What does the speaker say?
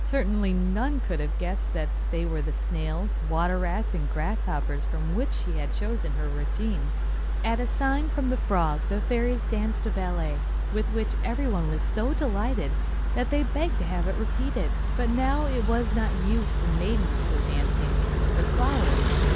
Certainly none could have guessed that they were the snails, water rats, and grasshoppers from which she had chosen her retinue. At a sign from the frog the fairies danced a ballet, with which everyone was so delighted that they begged to have to repeated; but now it was not youths and maidens who were dancing, but flowers.